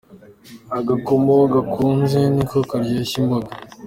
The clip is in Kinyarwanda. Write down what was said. Agakono gakuze niko karyoshya imboga.